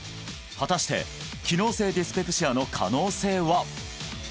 果たして機能性ディスペプシアの可能性は？